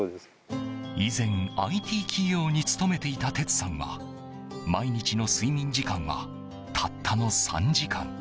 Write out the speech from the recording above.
以前ＩＴ企業に勤めていた哲さんは毎日の睡眠時間はたったの３時間。